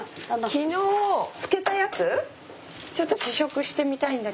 昨日漬けたやつちょっと試食してみたいんだけど。